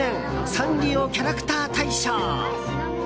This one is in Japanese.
サンリオキャラクター大賞。